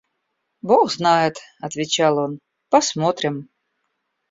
«Бог знает, – отвечал он, – посмотрим.